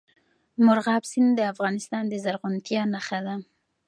مورغاب سیند د افغانستان د زرغونتیا نښه ده.